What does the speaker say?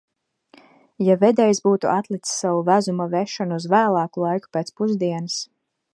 Ja vedējs būtu atlicis savu vezuma vešanu uz vēlāku laiku, pēc pusdienas?